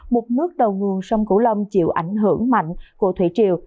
mực nước đầu nguồn sông cửu long chịu ảnh hưởng mạnh của thủy triều